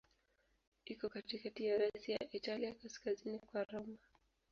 Iko katikati ya rasi ya Italia, kaskazini kwa Roma.